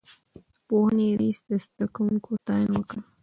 د پوهنې رئيس د زده کوونکو ستاينه وکړه.